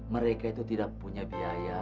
mereka itu tidak punya biaya